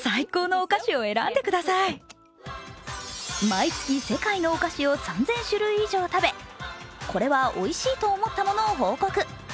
毎月世界の菓子を３０００種類以上食べこれはおいしいと思ったものを報告。